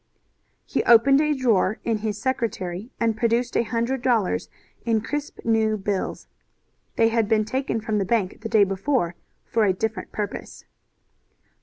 He opened a drawer in his secretary, and produced a hundred dollars in crisp new bills. They had been taken from the bank the day before for a different purpose.